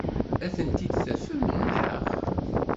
Ad tent-id-tafem, naɣ?